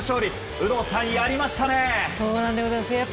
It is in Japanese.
有働さん、やりましたね。